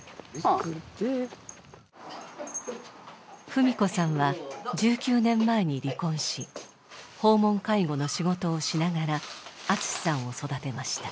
文子さんは１９年前に離婚し訪問介護の仕事をしながら篤志さんを育てました。